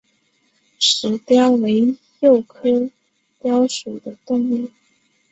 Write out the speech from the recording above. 石貂为鼬科貂属的动物。